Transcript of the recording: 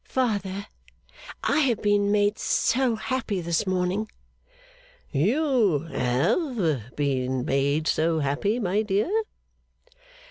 'Father! I have been made so happy this morning!' 'You have been made so happy, my dear?